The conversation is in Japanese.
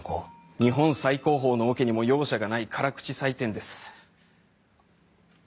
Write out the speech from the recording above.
日本最高峰のオケにも容赦がない辛口採点です。